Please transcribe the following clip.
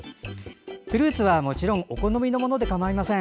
フルーツはもちろんお好みのものでかまいません。